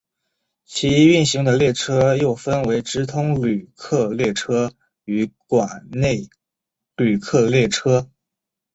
其运行的列车又分为直通旅客列车与管内旅客列车。